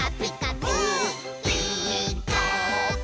「ピーカーブ！」